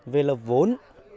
về là vốn